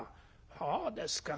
そうですか。